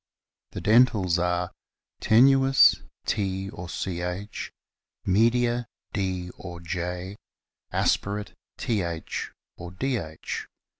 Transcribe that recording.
The dentals are : Tenuis, T or Ch ; Media, D or /; Aspirate, Th or Dh.